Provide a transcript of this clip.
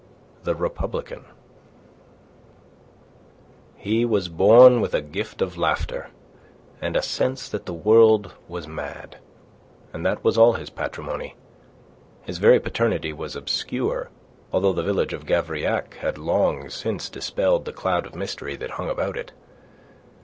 THE REPUBLICAN He was born with a gift of laughter and a sense that the world was mad. And that was all his patrimony. His very paternity was obscure, although the village of Gavrillac had long since dispelled the cloud of mystery that hung about it.